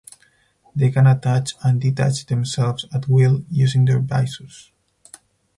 They can attach and detach themselves at will using their byssus.